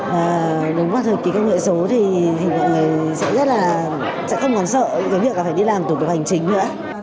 và đúng quá thời kỳ công nghệ số thì mọi người sẽ rất là sẽ không còn sợ cái việc là phải đi làm tổ chức hành trình nữa